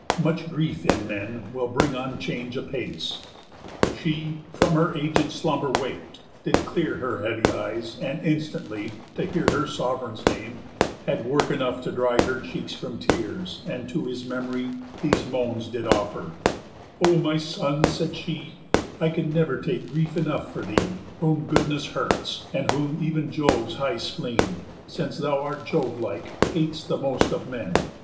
Much grief in men will bring on change apace." She, from her aged slumber wak'd, did clear Her heavy eyes, and instantly, to hear Her sov'reign's name, had work enough to dry Her cheeks from tears, and to his memory These moans did offer: "O my son," said she, "I never can take grief enough for thee, Whom Goodness hurts, and whom ev'n Jove's high spleen, Since thou art Jove like, hates the most of men.